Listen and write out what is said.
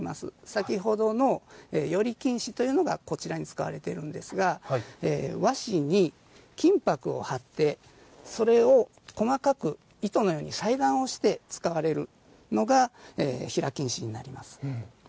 先ほどの撚り金糸というのがこちらに使われているんですが和紙に金ぱくを貼ってそれを細かく糸のように裁断をして使われるのが平金糸になります。